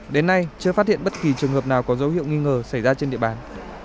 đến nay chưa phát hiện bất kỳ trường hợp nào có dấu hiệu nghi ngờ xảy ra trên địa bàn